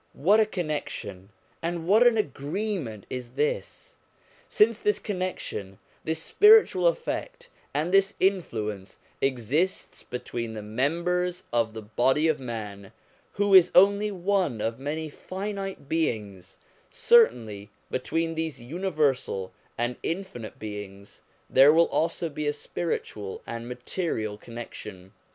What a connection, and what an agreement is this ! Since this connection, this spiritual effect and this influence exists between the members of the body of man, who is only one of many finite beings, certainly between these universal and infinite beings there will also be a spiritual and material connection.